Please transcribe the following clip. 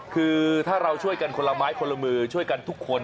คือถ้าเราช่วยกันคนละไม้คนละมือช่วยกันทุกคน